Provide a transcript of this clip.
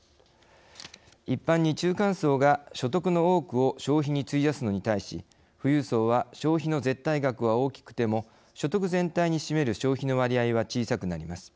一般に中間層が所得の多くを消費に費やすのに対し富裕層は消費の絶対額は大きくても所得全体に占める消費の割合は小さくなります。